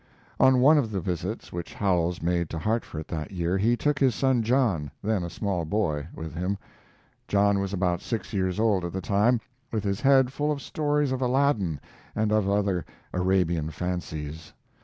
On one of the visits which Howells made to Hartford that year he took his son John, then a small boy, with him. John was about six years old at the time, with his head full of stories of Aladdin, and of other Arabian fancies.